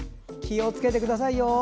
気をつけてくださいよ！